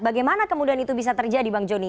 bagaimana kemudian itu bisa terjadi bang joni